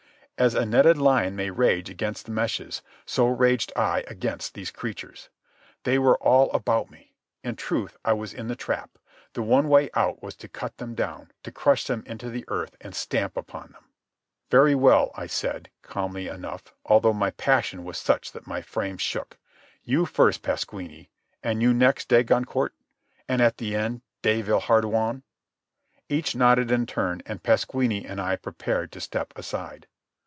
As a netted lion may rage against the meshes, so raged I against these creatures. They were all about me. In truth, I was in the trap. The one way out was to cut them down, to crush them into the earth and stamp upon them. "Very well," I said, calmly enough, although my passion was such that my frame shook. "You first, Pasquini. And you next, de Goncourt? And at the end, de Villehardouin?" Each nodded in turn and Pasquini and I prepared to step aside.